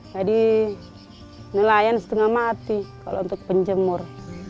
jadi nelayan setengah mati kalau untuk penjemur